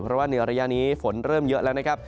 เพราะว่าในระยะนี้ฝนเริ่มเยอะแล้วนะครับ